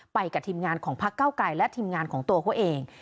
ไปกับทีมงานของพักเก้าไกลและทีมงานของตัวเขาเอง